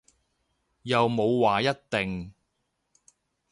又冇話一定